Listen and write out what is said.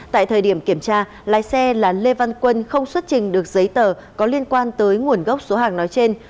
tại thời điểm kiểm tra lái xe là lê văn quân không xuất trình được giấy tờ có liên quan tới nguồn gốc số hàng nói trên